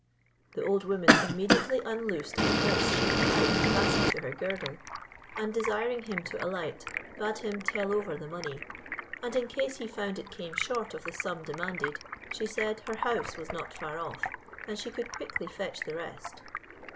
The old woman immediately unloosed a purse she carried fastened to her girdle, and desiring him to alight, bade him tell over the money, and in case he found it came short of the sum demanded, she said her house was not far off; and she could quickly fetch the rest.